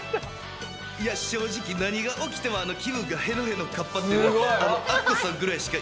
正直何が起きても気分がへのへのカッパってのはあのアッコさんぐらいしか